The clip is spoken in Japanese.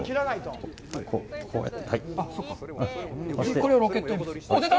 こうやって。